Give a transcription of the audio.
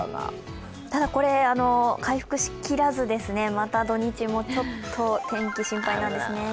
ただこれ、回復しきらず、また土日もちょっと天気、心配なんですね。